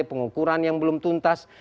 pengukuran yang belum tuntas